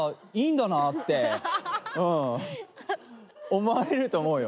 うん思われると思うよ。